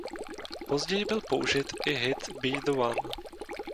Později byl použit i hit Be The One.